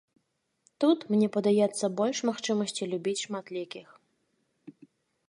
Тут, мне падаецца, больш магчымасцяў любіць шматлікіх.